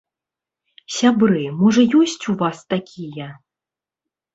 Сябры, можа ёсць у вас такія?